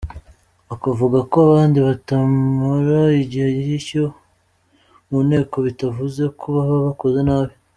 Akavuga ko abandi batamara igihe cy’icyo mu nteko bitavuze ko baba bakoze nabi.